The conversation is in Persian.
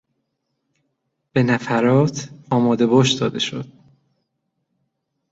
به نفرات آمادهباش داده شد.